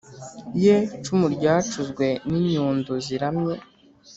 ye cumu ryacuzwe n’inyundo ziramye,